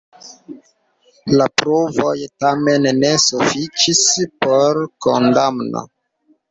La pruvoj tamen ne sufiĉis por kondamno.